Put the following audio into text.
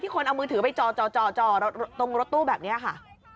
ที่คนเอามือถือไปจอจอจอจอตรงรถตู้แบบนี้ค่ะ